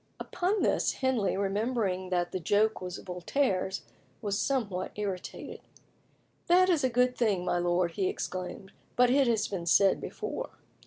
Upon this Henley, remembering that the joke was Voltaire's, was somewhat irritated. "That is a good thing, my lord," he exclaimed, "but it has been said before."